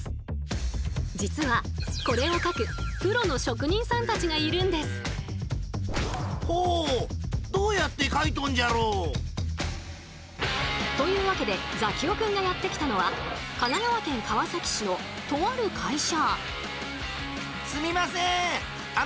実はこれを描くプロの職人さんたちがいるんです。というわけでザキオくんがやって来たのは神奈川県川崎市のとある会社。